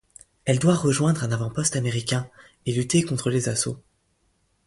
Elle doit rejoindre un avant poste américain et lutter contre les assauts.